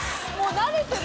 慣れてる。